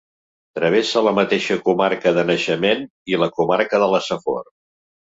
Travessa la mateixa comarca de naixement i la comarca de la Safor.